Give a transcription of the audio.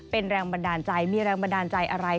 เป็นแรงบันดาลใจมีแรงบันดาลใจอะไร